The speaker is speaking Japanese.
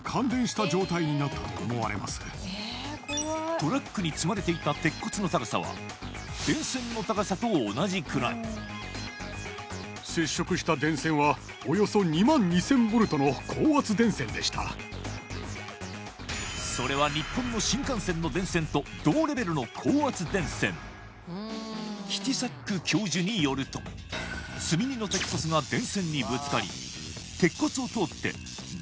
トラックに積まれていた鉄骨の高さは電線の高さと同じくらいそれは日本の新幹線の電線と同レベルの高圧電線キティサック教授によるとその状態でその瞬間